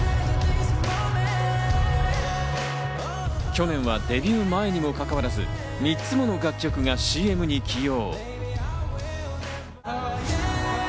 去年はデビュー前にもかかわらず３つの楽曲がＣＭに起用。